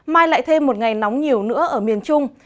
mai lại thêm một ngày nóng nhiều nữa ở miền trung